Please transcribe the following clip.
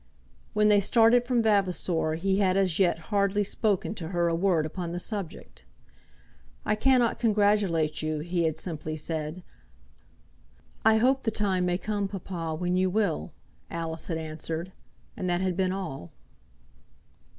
When they started from Vavasor he had as yet hardly spoken to her a word upon the subject. "I cannot congratulate you," he had simply said. "I hope the time may come, papa, when you will," Alice had answered; and that had been all.